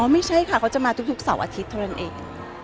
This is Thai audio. ไม่ใช่ค่ะเขาจะมาทุกเสาร์อาทิตย์เท่านั้นเอง